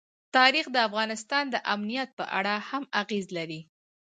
تاریخ د افغانستان د امنیت په اړه هم اغېز لري.